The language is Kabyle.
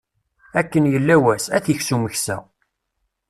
Akken yella wass, ad t-iks umeksa.